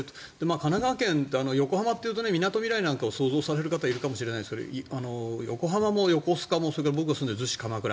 神奈川県、横浜っていうとみなとみらいなんかを想像される方がいるかもしれないですが横浜も横須賀も僕が住んでいる逗子、鎌倉